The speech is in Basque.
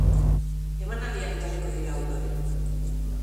Emanaldiak etorriko dira ondoren.